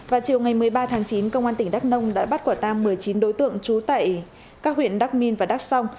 vào chiều ngày một mươi ba tháng chín công an tỉnh đắk nông đã bắt quả tang một mươi chín đối tượng trú tại các huyện đắc minh và đắc song